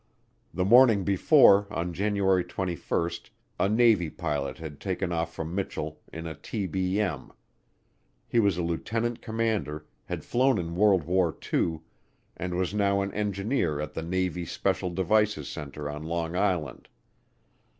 The morning before, on January 21, a Navy pilot had taken off from Mitchel in a TBM. He was a lieutenant commander, had flown in World War II, and was now an engineer at the Navy Special Devices Center on Long Island.